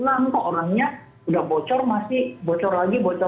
kalau pemerintah ini masalahnya mereka itu kadang kadang sifatnya cuma satu menurut polistis